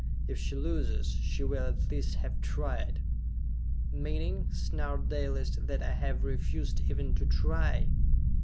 If she loses, she will at least have tried!" "Meaning," snarled Dalis, "that I have refused even to try!"